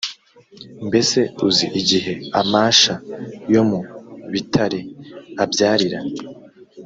mbese uzi igihe amasha yo mu bitare abyarira ?